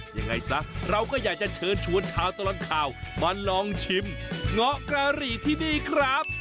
ยังไงซะเราก็อยากจะเชิญชวนชาวตลอดข่าวมาลองชิมเงาะกะหรี่ที่นี่ครับ